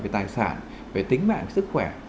về tài sản về tính mạng sức khỏe